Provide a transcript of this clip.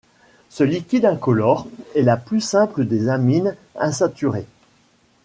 Ce liquide incolore est la plus simple des amines insaturées.